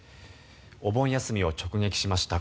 お盆休みを直撃しました